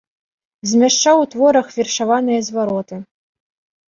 Змяшчаў у творах вершаваныя звароты.